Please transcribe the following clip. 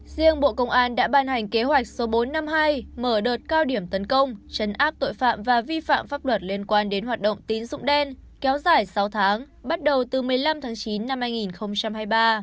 riêng bộ công an đã ban hành kế hoạch số bốn trăm năm mươi hai mở đợt cao điểm tấn công chấn áp tội phạm và vi phạm pháp luật liên quan đến hoạt động tín dụng đen kéo dài sáu tháng bắt đầu từ một mươi năm tháng chín năm hai nghìn hai mươi ba